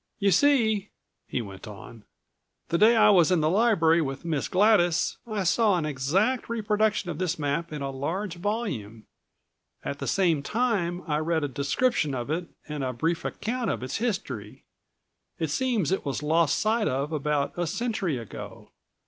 "You see," he went on, "the day I was in the library with Miss Gladys I saw an exact reproduction of this map in a large volume. At the same time I read a description of it and a brief account of its history. It seems it was lost sight of about a century ago.